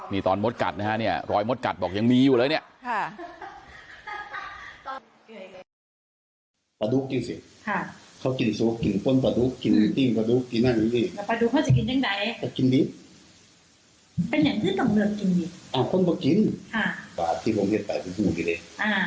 มีตอนรอยมดกัดบอกว่ายังมีอยู่แล้วเนี่ย